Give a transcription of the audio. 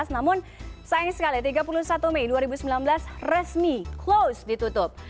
namun sayang sekali tiga puluh satu mei dua ribu sembilan belas resmi close ditutup